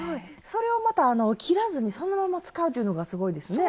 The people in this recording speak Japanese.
それをまた切らずにそのまま使うっていうのがすごいですね。